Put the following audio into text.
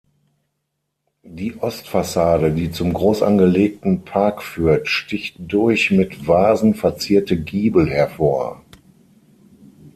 Die Ostfassade, die zum großangelegten Park führt, sticht durch mit Vasen verzierte Giebel hervor.